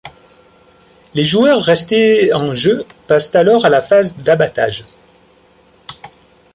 Les joueurs restés en jeu passent alors à la phase d'abattage.